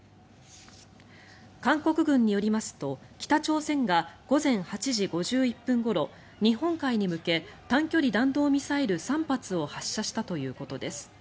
韓国軍によりますと北朝鮮が午前８時５１分ごろ日本海に向け短距離弾道ミサイル３発を発射したということです。